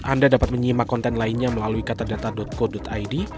anda dapat menyimak konten lainnya melalui katadata co id